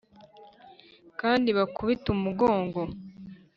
kandi bakubite umugongo